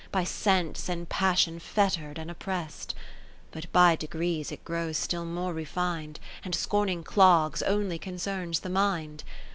By Sense and Passion fetter'd and opprest ; But by degrees it grows still more refin'd, And scorning clogs, only concerns the mind.